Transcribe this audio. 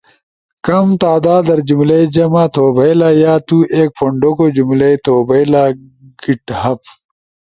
ُو کم تعداد در جملئی جمع توبھئیلایا تُو ایک پھونڈوگو جملئی تھوبھئیلا گٹ لیب۔